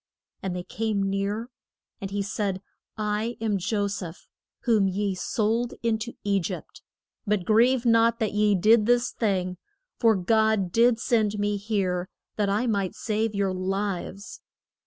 And they came near. And he said, I am Jo seph, whom ye sold in to E gypt. But grieve not that ye did this thing, for God did send me here that I might save your lives.